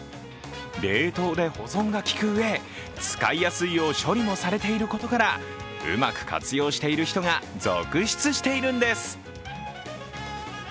冷凍で保存が利くうえ使いやすいよう処理もされていることからうまく活用している人が続出しているんです。